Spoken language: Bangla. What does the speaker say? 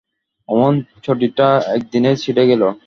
অমন চটিটা এক দিনেই ছিড়ে গেলো?